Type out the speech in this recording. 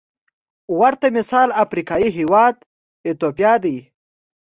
ورته مثال افریقايي هېواد ایتوپیا دی.